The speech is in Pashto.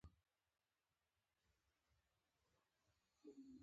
حکومت د اوضاع د کرارولو په اړه غور کوي.